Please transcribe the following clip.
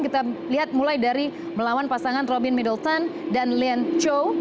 kita lihat mulai dari melawan pasangan robin middleton dan lian chou